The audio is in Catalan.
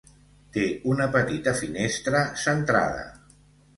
Té una petita finestra centrada.